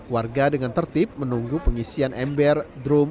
warga dengan tertib menunggu pengisian ember drone